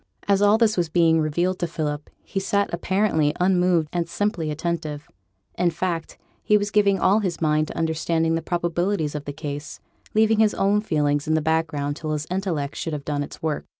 As all this was being revealed to Philip, he sat apparently unmoved and simply attentive. In fact, he was giving all his mind to understanding the probabilities of the case, leaving his own feelings in the background till his intellect should have done its work.